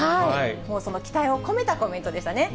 もうその期待を込めたコメントでしたね。